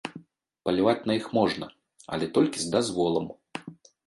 Паляваць на іх можна, але толькі з дазволам.